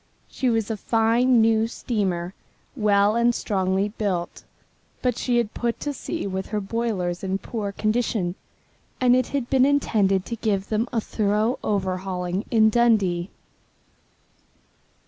She was a fine new steamer, well and strongly built, but she had put to sea with her boilers in poor condition, and it had been intended to give them a thorough overhauling in Dundee.